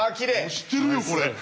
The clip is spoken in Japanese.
押してるよこれ。